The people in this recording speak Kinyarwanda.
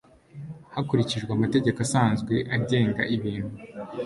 Hakurikijwe amategeko asanzwe agenga ibintu,